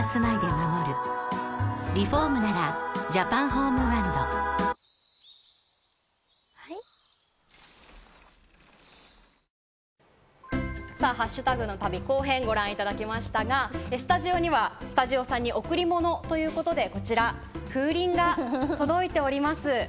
ハッシュタグの旅・後編をご覧いただきましたが、スタジオには贈り物ということでこちら風鈴が届いております。